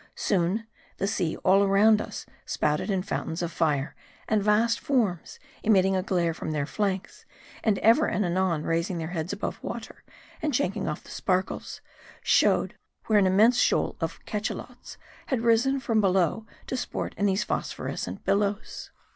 Soon, the sea all round us spouted in fountains of fire ; and vast forms, emitting a glare from their flanks, and ever and anon rais ing their heads above water, and shaking off the sparkles, showed where an immense shoal of Cachalots had risen from below to sport in these phosphorescent billows.